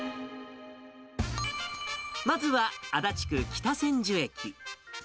まずは足立区北千住駅。